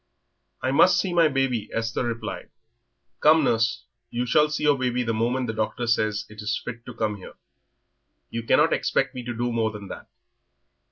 "I must see my baby," Esther replied. "Come, nurse, you shall see your baby the moment the doctor says it is fit to come here. You can't expect me to do more than that."